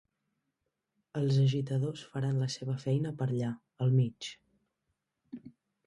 Els agitadors faran la seva feina per allà, al mig.